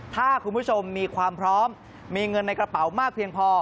ถ้าคุณผู้ชมมีความพร้อมมีเงินในกระเป๋ามากเพียงพอ